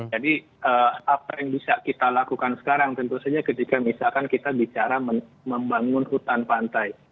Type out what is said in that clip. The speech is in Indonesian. jadi apa yang bisa kita lakukan sekarang tentu saja ketika misalkan kita bicara membangun hutan pantai